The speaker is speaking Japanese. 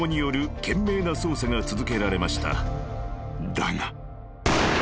［だが］